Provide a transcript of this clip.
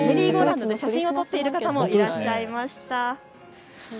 写真を撮っている方もいらっしゃいました。